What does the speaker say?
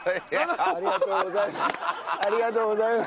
ありがとうございます。